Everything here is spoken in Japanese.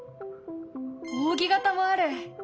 扇形もある！